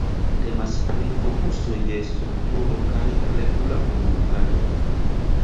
Temas pri fokuso je strukturo kaj regula komunikado.